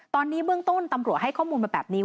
ตอนนี้เบื้องต้นตำรวจให้ข้อมูลมาแบบนี้